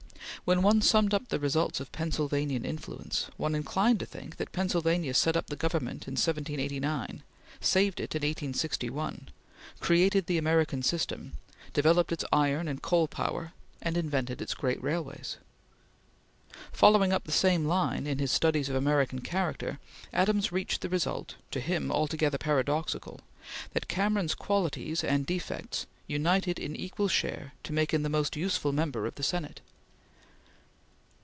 When one summed up the results of Pennsylvanian influence, one inclined to think that Pennsylvania set up the Government in 1789; saved it in 1861; created the American system; developed its iron and coal power; and invented its great railways. Following up the same line, in his studies of American character, Adams reached the result to him altogether paradoxical that Cameron's qualities and defects united in equal share to make him the most useful member of the Senate.